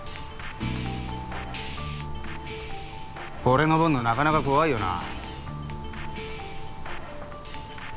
これ登んのなかなか怖いよな。